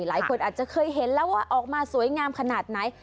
หลายคนอาจจะเคยเห็นแล้วว่าออกมาสวยงามขนาดไหน